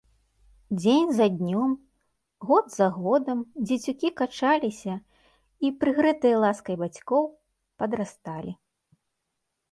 Дзень за днём, год за годам дзецюкі качаліся і, прыгрэтыя ласкай бацькоў, падрасталі.